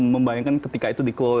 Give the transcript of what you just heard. membayangkan ketika itu di